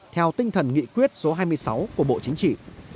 theo tinh thần nghị quyết số hai mươi sáu của bộ chính trị